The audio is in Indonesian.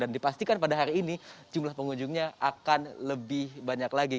dan dipastikan pada hari ini jumlah pengunjungnya akan lebih banyak lagi